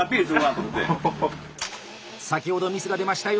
先ほどミスが出ました